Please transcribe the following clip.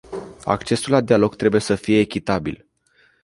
Accesul la dialog trebuie să fie echitabil.